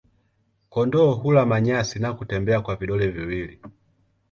Kondoo hula manyasi na kutembea kwa vidole viwili.